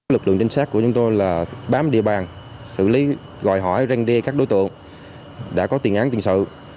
lực lượng tên sát của chúng tôi là bám địa bàn xử lý gọi hỏi rèn riêng các đối tượng đã có tiền án tiền sự